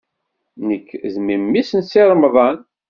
Nekk d memmi-s n Si Remḍan.